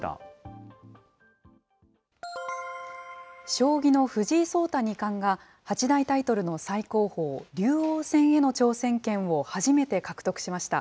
将棋の藤井聡太二冠が、八大タイトルの最高峰、竜王戦への挑戦権を初めて獲得しました。